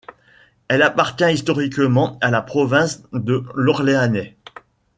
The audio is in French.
Elle appartient historiquement à la province de l'Orléanais.